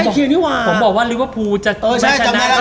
ผมบอกว่าริวพูจะจำได้แล้ว